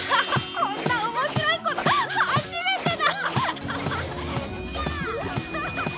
こんな面白いこと初めてだ！